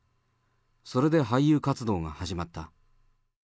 それで俳優活動が始まった。